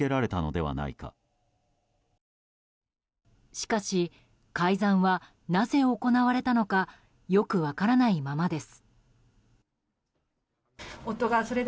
しかし、改ざんはなぜ行われたのかよく分からないままです。